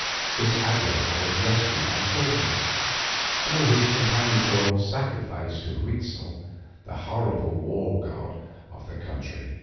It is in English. This Aguilar was rescued by Cortes, though his companions were all sacrificed to Huitzel, the horrible war god of the country.